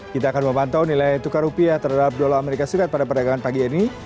kita akan memantau nilai tukar rupiah terhadap dolar as pada perdagangan pagi ini